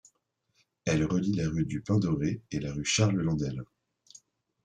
Elle relie la rue du Pin-Doré et la rue Charles-Landelle.